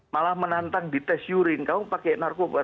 malah menantang di tes urin kamu pakai narkoba